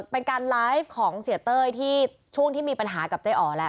เป็นการไลฟ์ของเสียเต้ยที่ช่วงที่มีปัญหากับเจ๊อ๋อแล้ว